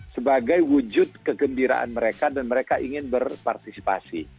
sebagai wujud kegembiraan mereka dan mereka ingin berpartisipasi